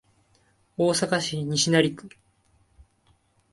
大阪市西成区